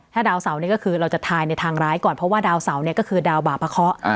ถ้าดาวเสานี่ก็คือเราจะทายในทางร้ายก่อนเพราะว่าดาวเสาเนี่ยก็คือดาวบาปะเคาะ